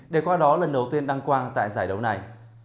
để qua đó lần đầu tiên đăng quang tại giải đấu này